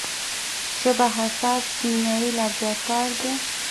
ژبه حساس کیمیاوي لابراتوار دی.